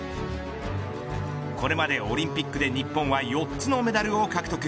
これまでオリンピックで日本は４つのメダルを獲得。